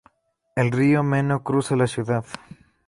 El río Meno cruza la ciudad.